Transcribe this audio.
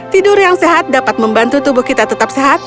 tidur yang sehat dapat membantu tubuh kita tetap sehat